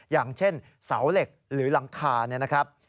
อย่างเช่นเสาเหล็กหรือหลังคาเนี่ยนะครับ